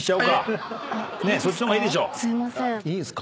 いいですか？